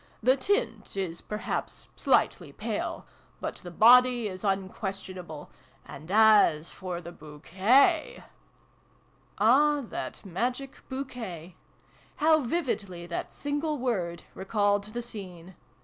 The tint is, perhaps, slightly pale. But the body is unquestionable. And as for the bouquet Ah, that magic Bouquet ! How vividly that single word recalled the scene